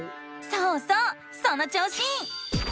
そうそうその調子！